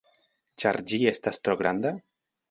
Ĉar ĝi estas tro granda?